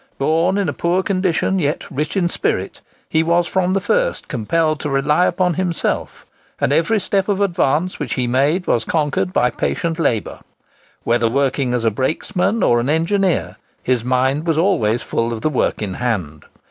Born in a poor condition, yet rich in spirit, he was from the first compelled to rely upon himself; and every step of advance which he made was conquered by patient labour. Whether working as a brakesman or an engineer, his mind was always full of the work in hand.